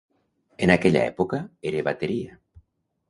En aquella època, era bateria.